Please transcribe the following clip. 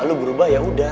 lo berubah yaudah